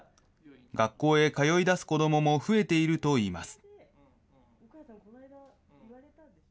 学校へ通いだす子どもも増えているといいます。